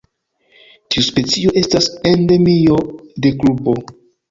Tiu specio estas endemio de Kubo.